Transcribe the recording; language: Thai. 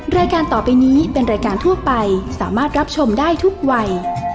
รายการต่อไปนี้เป็นรายการทั่วไปสามารถรับชมได้ทุกวัย